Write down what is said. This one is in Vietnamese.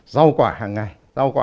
rau quả hằng ngày rau quả